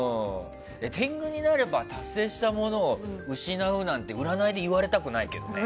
天狗になれば達成したものを失うなんて占いで言われたくないけどね。